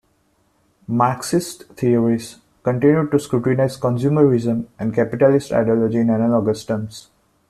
Marxist theorists continued to scrutinize consumerism and capitalist ideology in analogous terms.